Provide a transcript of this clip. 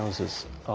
ああ。